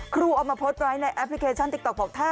ครูเอามาโพสต์ไว้ในแอปพลิเคชันติ๊กต๊อกบอกถ้า